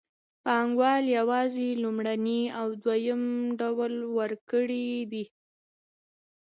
پانګوال یوازې لومړنی او دویم ډول ورکړي دي